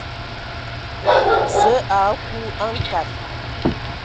Zǝə a aku a nkad.